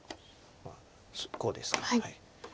こうですか。